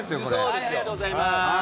ありがとうございます！